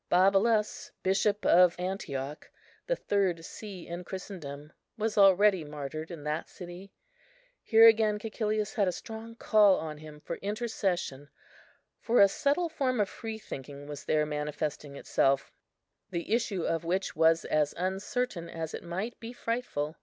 Babylas, Bishop of Antioch, the third see in Christendom, was already martyred in that city. Here again Cæcilius had a strong call on him for intercession, for a subtle form of freethinking was there manifesting itself, the issue of which was as uncertain as it might be frightful.